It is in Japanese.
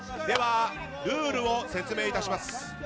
では、ルールを説明致します。